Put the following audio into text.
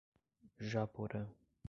Japorã